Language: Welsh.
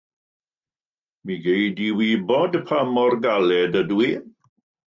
Mi gei di wybod pa mor galed ydw i.